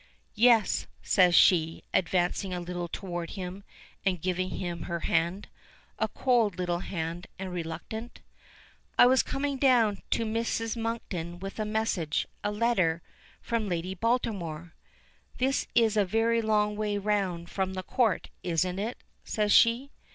"Yes," says she, advancing a little toward him and giving him her hand. A cold little hand, and reluctant. "I was coming down to Mrs. Monkton with a message a letter from Lady Baltimore." "This is a very long way round from the Court, isn't it?" says she.